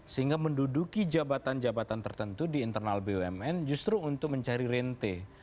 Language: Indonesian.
sehingga menduduki jabatan jabatan tertentu di internal bumn justru untuk mencari rente